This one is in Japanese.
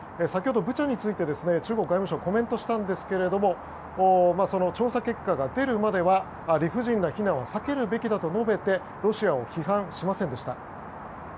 先ほど、ブチャについて中国外務省がコメントしたんですが調査結果が出るまでは理不尽な非難を避けるべきだと述べてロシアを批判しませんでした。